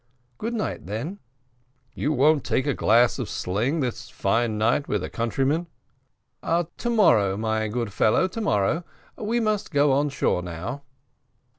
"Good night, then." "You won't take a glass of sling this fine night, with a countryman?" "To morrow, my good fellow, to morrow; we must go on shore now."